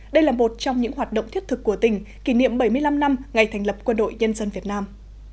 đây là một trong những hoạt động thiết thực của tỉnh kỷ niệm bảy mươi năm năm ngày thành lập quân đội nhân dân việt nam